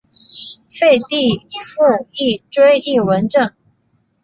废帝溥仪追谥文慎。